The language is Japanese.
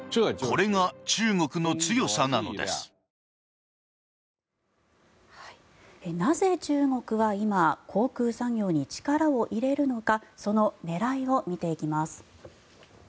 なぜ、中国は今航空産業に力を入れるのかその狙いを見ていきます。